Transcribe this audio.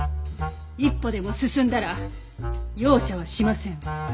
一歩でも進んだら容赦はしません。